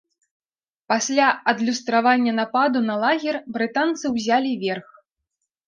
Пасля адлюстравання нападу на лагер брытанцы ўзялі верх.